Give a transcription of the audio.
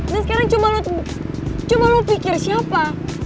dan sekarang coba lo pikir siapa